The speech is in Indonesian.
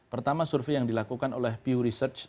pertama survei yang dilakukan oleh pu research